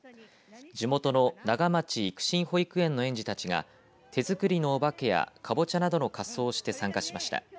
地元の長町育心保育園の園児たちが手作りのお化けやかぼちゃなどの仮装をして参加しました。